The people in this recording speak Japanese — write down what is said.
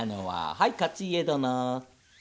はい勝家殿。